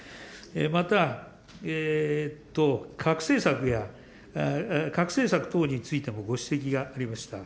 また、核政策等においてもご指摘がありました。